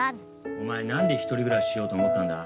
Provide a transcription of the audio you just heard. お前なんで１人暮らししようと思ったんだ？